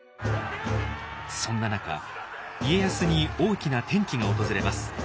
そんな中家康に大きな転機が訪れます。